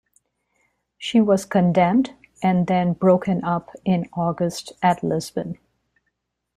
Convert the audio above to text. She was condemned and then broken up in August at Lisbon.